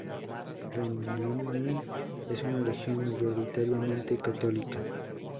Renania es una región mayoritariamente católica.